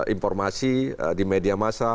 informasi di media masa